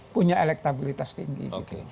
punya elektabilitas tinggi